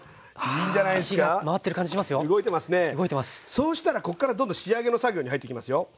そうしたらこっからどんどん仕上げの作業に入ってきますよ。